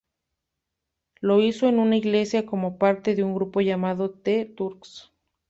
Lo hizo en una iglesia como parte de un grupo llamado the Turks.